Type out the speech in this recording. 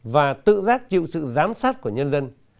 và tự giác chịu sự giám sát của nhân dân